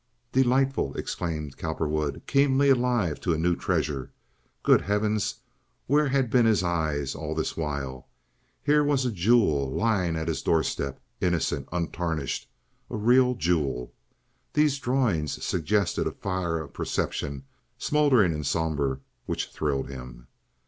"Delightful!" exclaimed Cowperwood, keenly alive to a new treasure. Good heavens, where had been his eyes all this while? Here was a jewel lying at his doorstep—innocent, untarnished—a real jewel. These drawings suggested a fire of perception, smoldering and somber, which thrilled him.